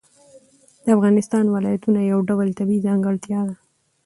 د افغانستان ولایتونه یو ډول طبیعي ځانګړتیا ده.